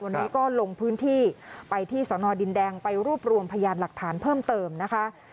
วันนี้ก็ลงพื้นที่ไปที่สนดินแดงไปรวบรวมพยานหลักฐานเพิ่มเติมนะคะ